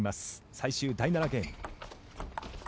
最終、第７ゲーム。